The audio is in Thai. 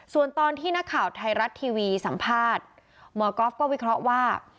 ส่วนตอนที่นักข่าวไทยรัฐทีวีสัมภาษณ์หมอก๊อฟก็วิเคราะห์ว่า